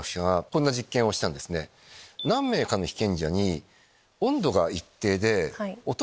何名かの被験者に。